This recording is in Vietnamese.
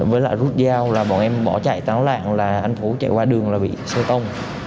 với lại rút dao là bọn em bỏ chạy tán lạng là anh vũ chạy qua đường là bị xe tông